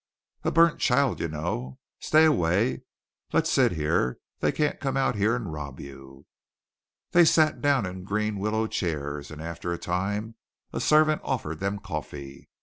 "A burnt child, you know. Stay away. Let's sit here. They can't come out here and rob you." They sat down in green willow chairs, and after a time a servant offered them coffee.